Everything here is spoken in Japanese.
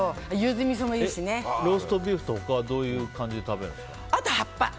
ローストビーフとかは他はどういう感じで食べるんですか。